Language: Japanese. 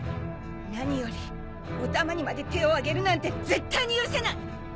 何よりお玉にまで手を上げるなんて絶対に許せない！